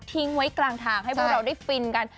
ทิ้งไว้กลางทางให้พวกเราได้ฟินกัน